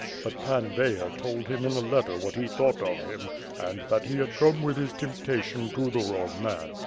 But Pan Veyher told him in a letter what he thought of him and that he had come with his temp tation to the wrong man.